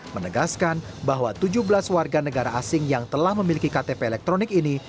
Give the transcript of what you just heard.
menegaskan bahwa tujuh belas warga negara asing yang telah memiliki ktp elektronik ini